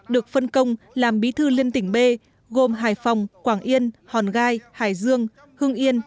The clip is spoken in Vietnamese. được phân công làm bí thư liên tỉnh b gồm hải phòng quảng yên hòn gai hải dương hương yên